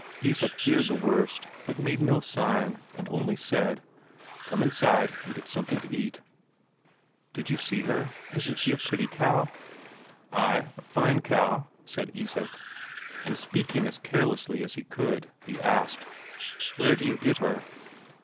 Isak feared the worst, but made no sign, and only said: "Come inside and get something to eat." "Did you see her? Isn't she a pretty cow?" "Ay, a fine cow," said Isak. And speaking as carelessly as he could, he asked, "Where d'you get her?"